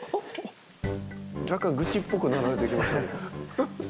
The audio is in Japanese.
若干愚痴っぽくなられてきましたね。